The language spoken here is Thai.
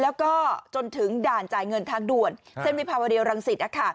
แล้วก็จนถึงด่านจ่ายเงินทางด่วนเส้นวิภาวดีรังสิต